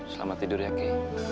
selamat tidur ya ki